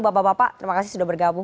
bapak bapak terima kasih sudah bergabung